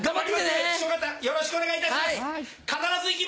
師匠方よろしくお願いいたします。